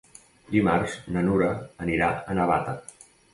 Dimarts na Nura anirà a Navata.